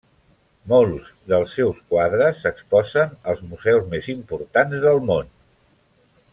Molts dels seus quadres s'exposen als museus més importants del món.